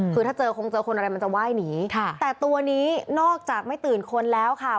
คือถ้าเจอคงเจอคนอะไรมันจะไหว้หนีค่ะแต่ตัวนี้นอกจากไม่ตื่นคนแล้วค่ะ